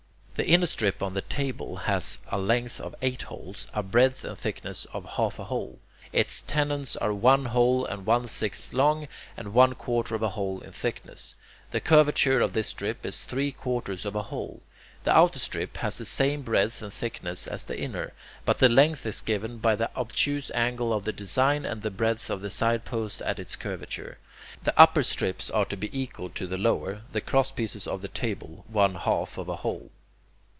The (inner) strip on the "table" has a length of eight holes, a breadth and thickness of half a hole. Its tenons are one hole and one sixth long, and one quarter of a hole in thickness. The curvature of this strip is three quarters of a hole. The outer strip has the same breadth and thickness (as the inner), but the length is given by the obtuse angle of the design and the breadth of the sidepost at its curvature. The upper strips are to be equal to the lower; the crosspieces of the "table," one half of a hole.